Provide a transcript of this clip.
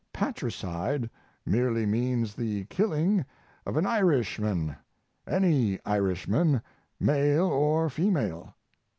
Patricide merely means the killing of an Irishman any Irishman, male or female.